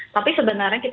tapi sebenarnya kita